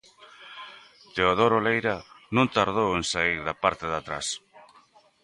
Teodoro Leira non tardou en saír da parte de atrás.